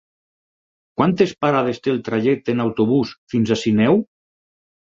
Quantes parades té el trajecte en autobús fins a Sineu?